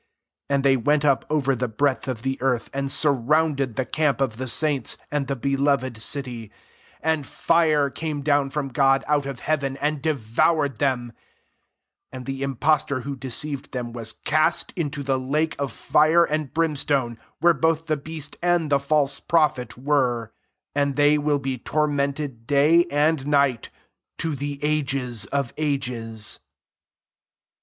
9 And they went up over the breadth of the earth, and surrounded the camp of the saints, and the be loved city : and fire came down [from God] out of heaven, and devoured them, 10 And the impostor who deceived them was cast into the lake of fire and brimstone, where both the beast and the fklse prophet were: and they will be tormented day and night, to the ages of ages.